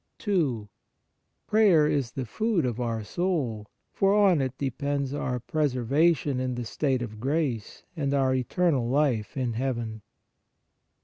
2. Prayer is the food of our soul, for on it de pends our preservation in the state of grace and our eternal life in heaven.